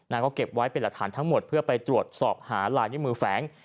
ก็เก็บไว้เป็นหลักฐานทั้งหมดเพื่อไปตรวจสอบหาลายนิ้วมือแฝง